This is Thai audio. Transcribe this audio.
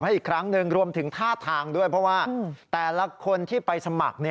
อีกครั้งหนึ่งรวมถึงท่าทางด้วยเพราะว่าแต่ละคนที่ไปสมัคร